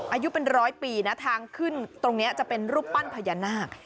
อายุเป็นร้อยปีนะทางขึ้นตรงนี้จะเป็นรูปปั้นพญานาค